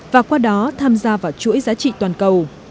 và qua đó tham gia vào chuỗi giá trị toàn cầu